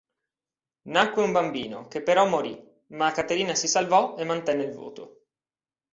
Nacque un bambino che però morì, ma Caterina si salvò e mantenne il voto.